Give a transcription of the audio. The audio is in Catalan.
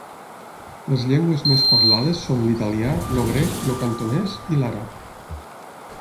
Les llengües més parlades són l'italià, el grec, el cantonès i l'àrab.